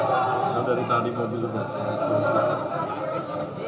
dari tadi mobilnya